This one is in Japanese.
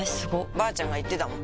ばあちゃんが言ってたもん